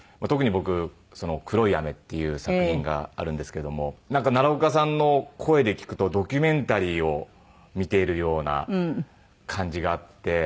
特に僕『黒い雨』っていう作品があるんですけどもなんか奈良岡さんの声で聴くとドキュメンタリーを見ているような感じがあって。